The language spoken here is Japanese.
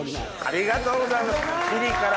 ありがとうございます。